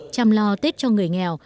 chăm lo tết cho người nghèo